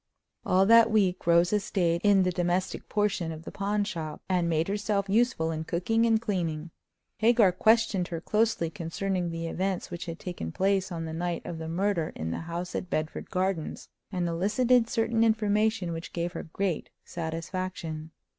All that week Rosa stayed in the domestic portion of the pawn shop, and made herself useful in cooking and cleaning. Hagar questioned her closely concerning the events which had taken place on the night of the murder in the house at Bedford Gardens, and elicited certain information which gave her great satisfaction.